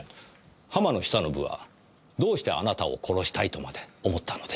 浜野久信はどうしてあなたを殺したいとまで思ったのでしょう？